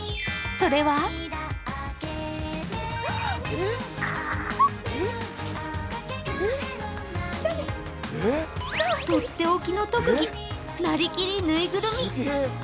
それはとっておきの特技、なりきり縫いぐるみ。